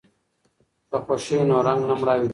که خوښي وي نو رنګ نه مړاوی کیږي.